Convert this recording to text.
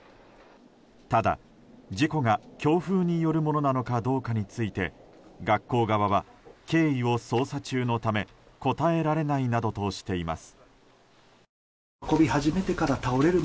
ただ、事故が強風によるものなのかどうかについて学校側は、経緯を捜査中のため答えられないなどとしています。